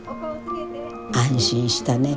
安心したね。